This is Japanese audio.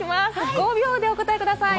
５秒でお答えください。